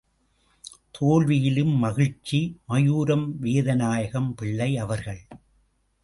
தோல்வியிலும் மகிழ்ச்சி மாயூரம் வேதநாயகம் பிள்ளை அவர்கள்.